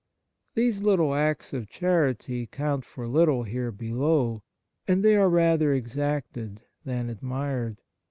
These little acts of charity count for little here below, and they are rather exacted than admired.